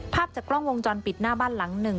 ภาพจากกล้องวงจรปิดหน้าบ้านหลังหนึ่ง